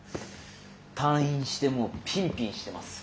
退院してもうピンピンしてます。